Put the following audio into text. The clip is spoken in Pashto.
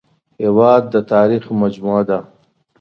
هېواد د تاریخ مجموعه ده